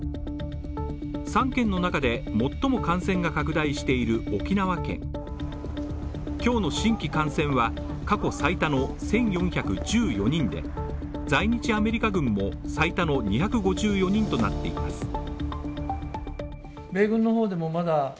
３県の中で最も感染が拡大している沖縄県今日の新規感染は過去最多の１４１４人で、在日アメリカ軍も最多の２５４人となっています。